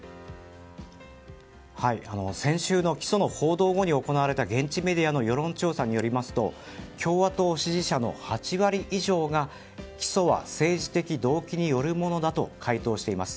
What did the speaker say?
先週の起訴の報道後に行われた現地メディアの世論調査によると共和党支持者の８割以上が起訴は政治的動機によるものだと回答しています。